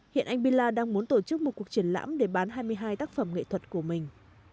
hiện anh bila đang muốn tổ chức một cuộc triển lãm để bán hai mươi hai tác phẩm nghệ thuật của mình